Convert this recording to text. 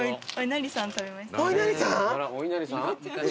おいなりさん？